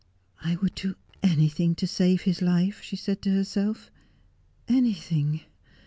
' I would do anything to save his life,' she said to herself,— ' anything.'